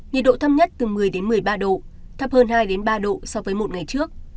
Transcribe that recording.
nhiệt độ thấp nhất từ một mươi một mươi ba độ thấp hơn hai ba độ so với một ngày trước